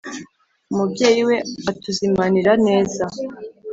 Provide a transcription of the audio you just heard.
Umubyeyi we atuzimanira neza